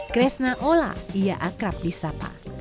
kresna ola ia akrab di sapa